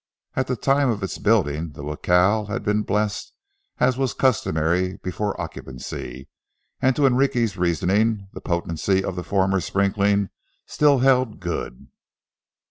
At the time of its building the jacal had been blessed, as was customary before occupancy, and to Enrique's reasoning the potency of the former sprinkling still held good.